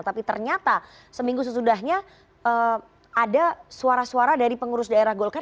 tapi ternyata seminggu sesudahnya ada suara suara dari pengurus daerah golkar